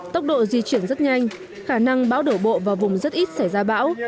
tốc độ di chuyển rất nhanh khả năng bão đổ bộ vào vùng rất ít xảy ra bão